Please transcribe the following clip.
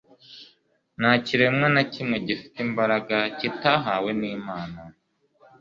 Nta kiremwa na kimwe gifite imbaraga kitahawe n'Imana.